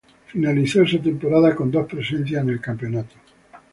Finalizó esa temporada con dos presencias en el campeonato.